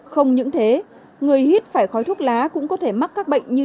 không những thế người hít phải khói thuốc lá cũng có thể mắc các bệnh như